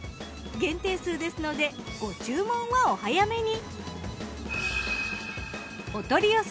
限定数ですのでご注文はお早めに。